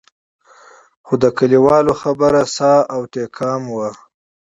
خو د کلیوالو خبره ساه او ټیکا وم.